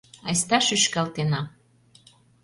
Айста шӱшкалтена